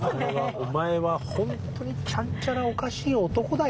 オマエはホントにちゃんちゃらおかしい男だよ